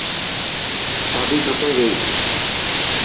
شادي ٽٽي گئي.